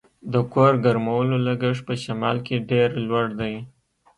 د کور ګرمولو لګښت په شمال کې ډیر لوړ دی